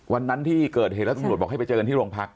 วันนั้นที่เกิดเหตุแล้วตำรวจบอกให้ไปเจอกันที่โรงพัก